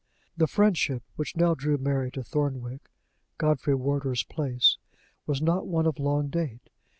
The friendship which now drew Mary to Thornwick, Godfrey Wardour's place, was not one of long date.